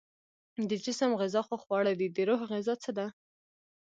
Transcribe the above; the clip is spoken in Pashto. د جسم غذا خو خواړه دي، د روح غذا څه ده؟